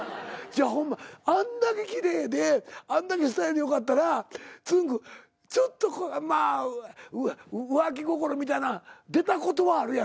あんだけ奇麗であんだけスタイル良かったらつんく♂ちょっとまあ浮気心みたいなん出たことはあるやろ？